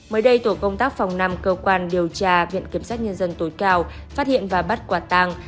mới đây tổ công tác phòng năm cơ quan điều tra viện kiểm sát nhân dân tối cao phát hiện và bắt quả tàng